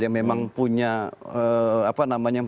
yang memang punya apa namanya